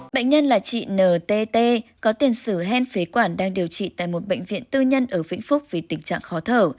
bệnh nhân là chị ntt có tiền sử hen phế quản đang điều trị tại một bệnh viện tư nhân ở vĩnh phúc vì tình trạng khó thở